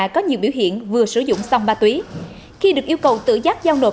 khi được yêu cầu tự giác giao nộp